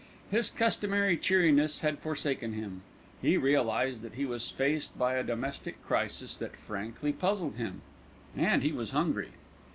His customary cheeriness had forsaken him. He realised that he was faced by a domestic crisis that frankly puzzled him and he was hungry.